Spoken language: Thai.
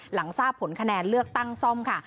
หลังทราบผลคะแนนเลือกตั้งซ่อมค่ะ